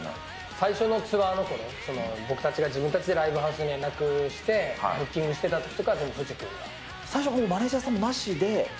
最初のツアーのころ、僕たちが自分たちでライブハウスに連絡して、ブッキングしてたときとかは、最初、マネジャーさんなしで？